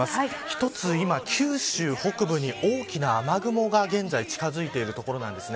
一つ今、九州北部に大きな雨雲が現在近づいているところです。